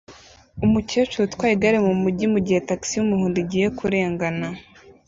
umukecuru utwaye igare mumujyi mugihe tagisi yumuhondo igiye kurengana